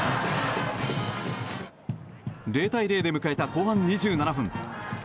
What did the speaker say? ０対０で迎えた後半２７分。